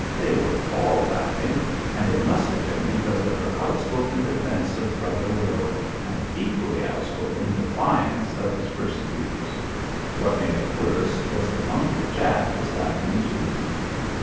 They were all laughing, and it must have been because of her outspoken defence of Brother Will and equally outspoken defiance of his persecutors. What made it worse was that Uncle Jack was laughing too.